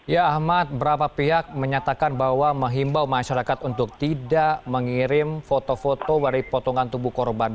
ya ahmad berapa pihak menyatakan bahwa menghimbau masyarakat untuk tidak mengirim foto foto dari potongan tubuh korban